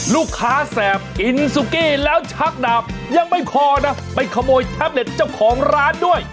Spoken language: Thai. แสบกินซุกี้แล้วชักดาบยังไม่พอนะไปขโมยแท็บเล็ตเจ้าของร้านด้วย